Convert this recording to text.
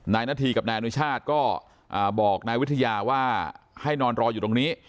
นายนาธีกับนายอนุชาติก็บอกนายวิทยาว่าให้นอนรออยู่ตรงนี้